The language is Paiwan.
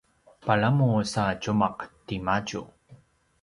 palamu sa tjumaq timadju